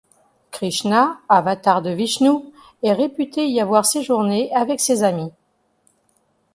Krishna, avatar de Vishnu, est réputé y avoir séjourné avec ses amis.